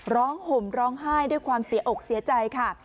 ห่มร้องไห้ด้วยความเสียอกเสียใจค่ะ